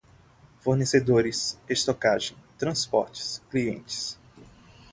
fornecedores, estocagem, transportes, clientes